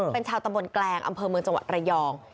เป็นชาวตำบลแกลงอำเภอเมืองจังหวัดระยอง